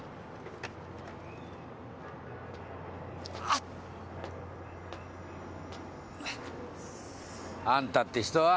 あっ！あんたって人は。